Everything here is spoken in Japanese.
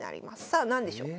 さあ何でしょう？